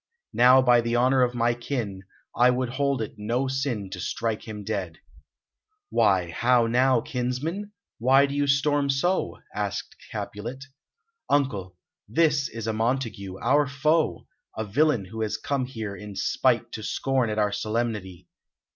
Now, by the honour of my kin, I would hold it no sin to strike him dead." "Why, how now, kinsman? Why do you storm so?" asked Capulet. "Uncle, this is a Montague, our foe a villain who has come here in spite to scorn at our solemnity."